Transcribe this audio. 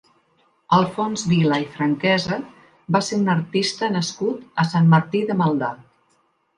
Alfons Vila i Franquesa va ser un artista nascut a Sant Martí de Maldà.